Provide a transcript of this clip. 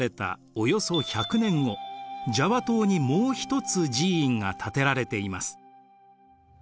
およそ１００年後ジャワ島にもう一つ寺院が建てられています。